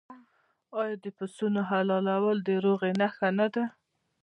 آیا د پسونو حلالول د روغې نښه نه ده؟